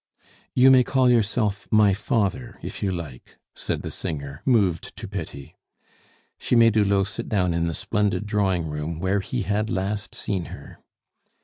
"You may call yourself my father if you like," said the singer, moved to pity. She made Hulot sit down in the splendid drawing room where he had last seen her.